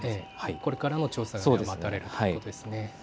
これからの調査が待たれるということですね。